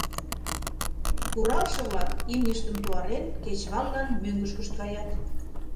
Куралше-влак, имньыштым туарен, кечываллан мӧҥгышкышт каят.